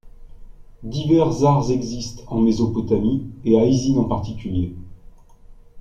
Divers arts existent en Mésopotamie et à Isin en particulier.